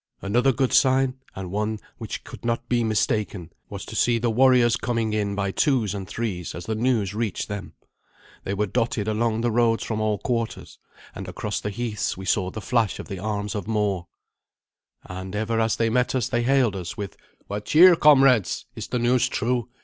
Another good sign, and that one which could not be mistaken, was to see the warriors coming in by twos and threes as the news reached them. They were dotted along the roads from all quarters, and across the heaths we saw the flash of the arms of more. And ever as they met us they hailed us with, "What cheer, comrades? Is the news true?